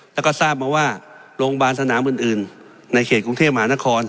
แล้วก็ทราบมาว่าโรงพยาบาลสนามอื่นในเขตกรุงเทพมหานคร